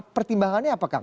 pertimbangannya apa kang